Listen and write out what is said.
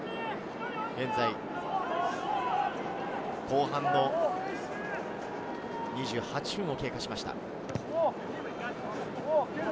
現在、後半の２８分を経過しました。